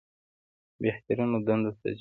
بهترینو دندو ته ځي.